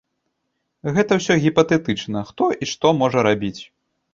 Гэта ўсё гіпатэтычна, хто і што можа рабіць.